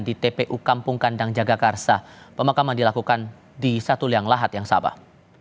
di tpu kampung kandang jagakarsa pemakaman dilakukan di satu liang lahat yang sabah